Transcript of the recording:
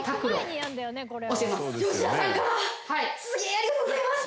すげえありがとうございます！